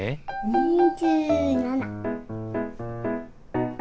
２７。